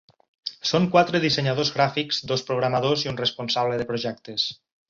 Són quatre dissenyadors gràfics, dos programadors i un responsable de projectes.